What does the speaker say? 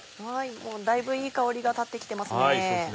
もうだいぶいい香りが立ってきてますね。